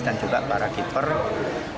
dan juga para kinerja